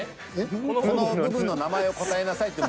この部分の名前を答えなさいって問題なの。